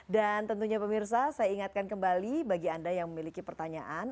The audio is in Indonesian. dan tentunya pemirsa saya ingatkan kembali bagi anda yang memiliki pertanyaan